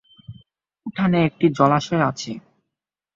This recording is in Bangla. উঠোনে একটি জলাশয় আছে।